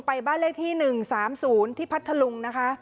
บ้านเลขที่๑๓๐ที่พัทธลุงนะคะ